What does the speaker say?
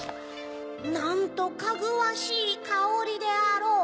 なんとかぐわしいかおりであろう！